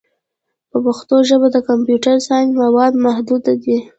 په پښتو ژبه د کمپیوټري ساینس مواد محدود دي.